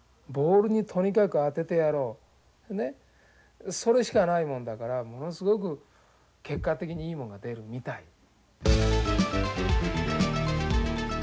ボールにとにかく当ててやろうねっそれしかないもんだからものすごく結果的にいいもんが出るみたい。